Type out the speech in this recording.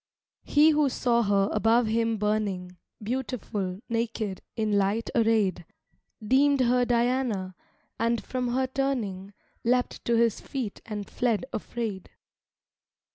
He who saw her above him burning, Beautiful, naked, in light arrayed, Deemed her Diana, and from her turning, Leapt to his feet and fled afraid.